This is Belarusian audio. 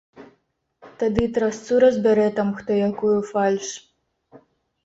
Тады трасцу разбярэ там хто якую фальш.